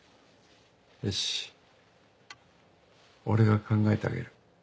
よし俺が考えてあげる。